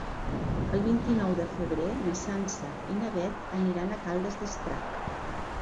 El vint-i-nou de febrer na Sança i na Beth aniran a Caldes d'Estrac.